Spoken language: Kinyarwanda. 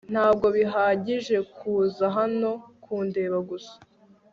ntabwo bihagije kuza hano kundeba gusa